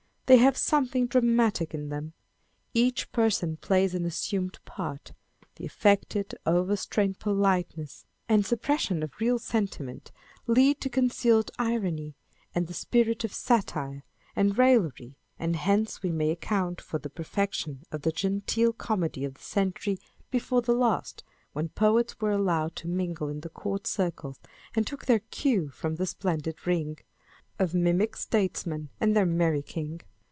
They have something dramatic in them ; each person plays an assumed part j the affected, overstrained politeness and suppression of t On the Look of a Gentleman. 307 real sentiment lead to concealed irony, and the spirit of satire and raillery; and hence we may account for the perfection of the genteel comedy of the century before the last, when poets were allowed to mingle in the court circles, and took their cue from the splendid ring Of mimic statesmen and their merry king.